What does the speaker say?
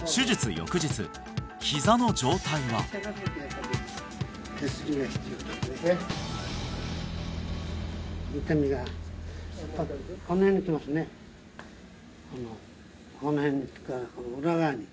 翌日ひざの状態は裏側？